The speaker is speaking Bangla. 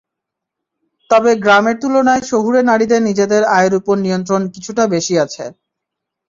তবে গ্রামের তুলনায় শহুরে নারীদের নিজেদের আয়ের ওপর নিয়ন্ত্রণ কিছুটা বেশি আছে।